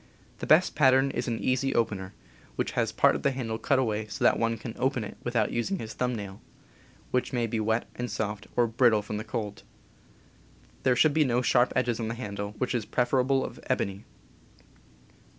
The best pattern is an "easy opener," which has part of the handle cut away so that one can open it without using his thumb nail, which may be wet and soft, or brittle from cold. There should be no sharp edges on the handle, which is pref erably of ebony.